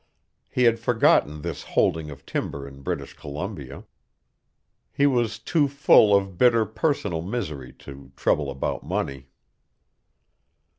He had forgotten this holding of timber in British Columbia. He was too full of bitter personal misery to trouble about money.